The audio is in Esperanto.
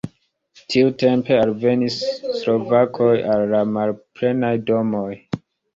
Tiutempe alvenis slovakoj al la malplenaj domoj.